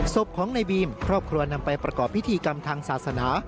ศพของในบีมครอบครัวนำไปประกอบพิธีกรรมทางศาสนา